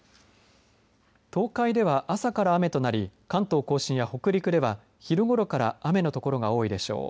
東海では朝から雨となり関東甲信や北陸では昼ごろから雨の所が多いでしょう。